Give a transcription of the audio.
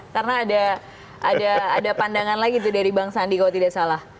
karena ada pandangan lagi itu dari bang sandi kalau tidak salah